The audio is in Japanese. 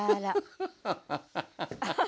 フハハハハハ。